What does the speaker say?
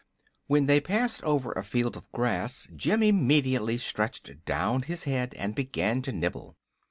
When they passed over a field of grass Jim immediately stretched down his head and began to nibble.